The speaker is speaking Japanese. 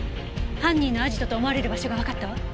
犯人のアジトと思われる場所がわかったわ。